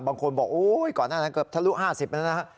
บางคนบอกโอ๊ยก่อนหน้านั้นเกือบทะลุ๕๐แล้วนะฮะ